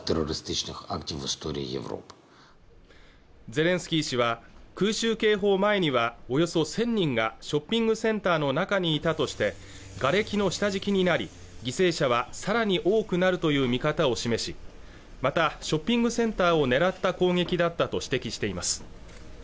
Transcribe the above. ゼレンスキー氏は空襲警報前にはおよそ１０００人がショッピングセンターの中にいたとしてがれきの下敷きになり犠牲者はさらに多くなるという見方を示しまたショッピングセンターを狙った攻撃だったと指摘しています